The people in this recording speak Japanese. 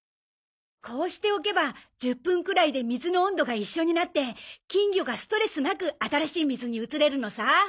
こうしておけば１０分くらいで水の温度が一緒になって金魚がストレスなく新しい水に移れるのさ。